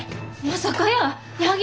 まさかやー。